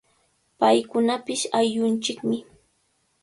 Paykunapish ayllunchikmi.